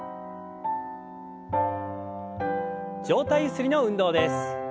上体ゆすりの運動です。